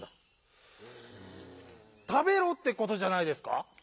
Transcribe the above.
「たべろ」ってことじゃないですか？